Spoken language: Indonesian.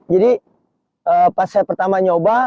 jadi pas saya pertama nyoba